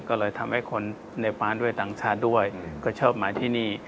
ก็เลยทำให้คนในบ้านด้วยต่างชาติด้วยก็ชอบมาที่นี่